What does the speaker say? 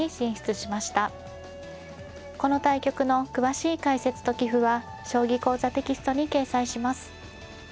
この対局の詳しい解説と棋譜は「将棋講座」テキストに掲載します。